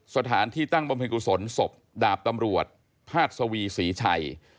สถานที่ตั้งบำเพ็ญกุศลศพดาบตำรวจพาดสวีศรีชัย